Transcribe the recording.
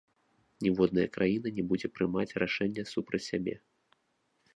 Ніводная краіна не будзе прымаць рашэнне супраць сябе.